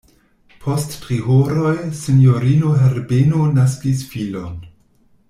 Post tri horoj, sinjorino Herbeno naskis filon.